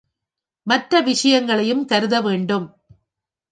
மற்ற விஷயங்களையும் கருத வேண்டும்.